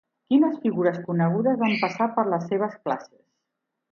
Quines figures conegudes van passar per les seves classes?